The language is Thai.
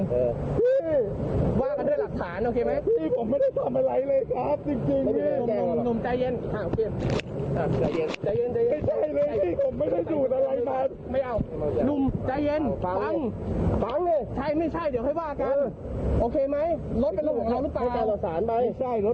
เฮ้ยบริจะเล่ารถคันเนี่ยผมเพิ่งมาจากแฟน